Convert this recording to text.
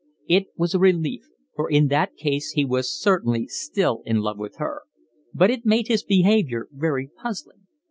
It was a relief, for in that case he was certainly still in love with her; but it made his behaviour very puzzling.